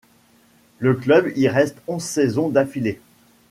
Le club y reste onze saisons d'affiliée.